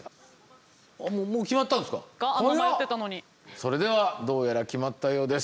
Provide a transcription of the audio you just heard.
それではどうやら決まったようです。